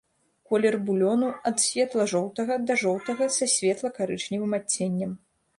Колер булёну ад светла-жоўтага да жоўтага са светла-карычневым адценнем.